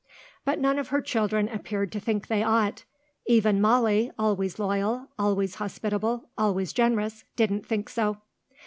But none of her children appeared to think they ought. Even Molly, always loyal, always hospitable, always generous, didn't think so.